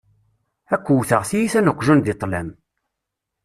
Ad k-wwteɣ tyita n uqjun di ṭṭlam!